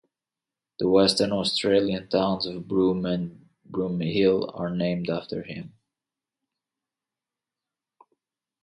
The Western Australian towns of Broome and Broomehill are named after him.